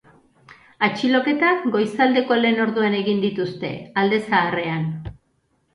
Atxiloketak goizaldeko lehen orduan egin dituzte, alde zaharrean.